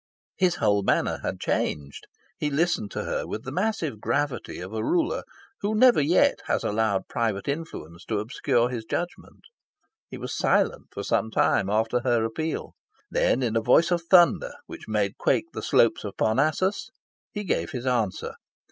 His whole manner had changed. He listened to her with the massive gravity of a ruler who never yet has allowed private influence to obscure his judgment. He was silent for some time after her appeal. Then, in a voice of thunder, which made quake the slopes of Parnassus, he gave his answer.